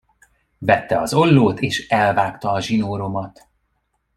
Vette az ollót, és elvágta a zsinóromat.